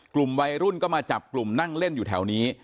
กลุ่มวัยรุ่นก็มาจับกลุ่มนั่งเล่นอยู่แถวนี้